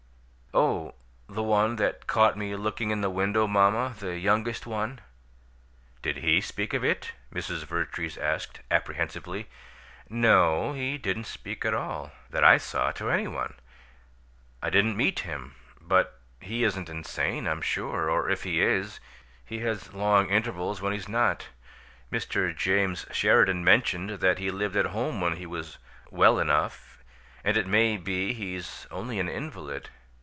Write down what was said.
"Oh, the one that caught me looking in the window, mamma, the youngest one " "Did he speak of it?" Mrs. Vertrees asked, apprehensively. "No. He didn't speak at all, that I saw, to any one. I didn't meet him. But he isn't insane, I'm sure; or if he is, he has long intervals when he's not. Mr. James Sheridan mentioned that he lived at home when he was 'well enough'; and it may be he's only an invalid.